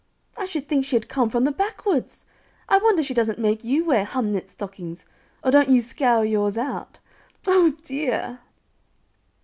"I should think she had come from the backwoods! I wonder she doesn't make you wear 'hum knit' stockings; or don't you 'scour yours out?' O dear!"